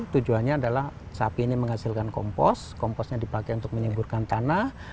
tujuannya adalah sapi ini menghasilkan kompos komposnya dipakai untuk menyemburkan tanah